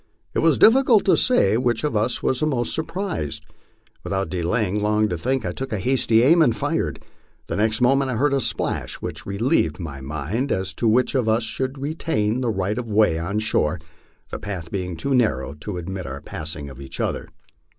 It was difficult to say which of us was most surprised. Without delaying long to think, I took a hasty aim and fired. The next moment I heard a splash which relieved my mind as to which of us should retain the right of way on shore, the path being too narrow to admit of our passing each other.